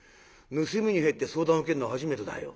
盗みに入って相談受けるのは初めてだよ。